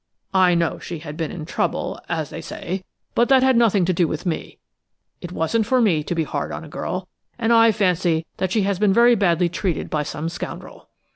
I know she had been in trouble, as they say, but that had nothing to do with me. It wasn't for me to be hard on a girl, and I fancy that she has been very badly treated by some scoundrel."